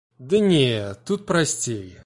Ды не, тут прасцей.